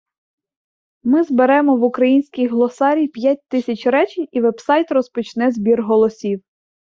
Ми зберемо в український глосарій п'ять тисяч речень і вебсайт розпочне збір голосів